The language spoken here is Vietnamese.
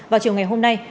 và chiều ngày hôm nay